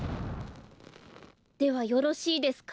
ではよろしいですか？